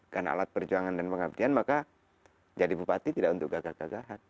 karena alat perjuangan dan pengabdian maka jadi bupati tidak untuk gagal gagalan